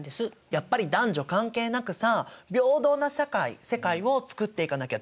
やっぱり男女関係なくさ平等な社会世界をつくっていかなきゃだめだよね！